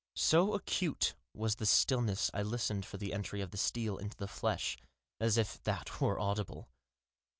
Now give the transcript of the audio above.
So acute was the stillness I listened for the entry of the steel into the flesh — as if that were audible